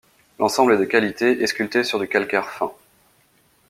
L'ensemble est de qualité et sculpté sur du calcaire fin.